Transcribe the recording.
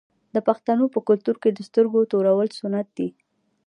د پښتنو په کلتور کې د سترګو تورول سنت دي.